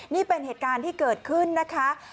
นี่เป็นเหตุการณ์ที่เกิดขึ้นนะคะ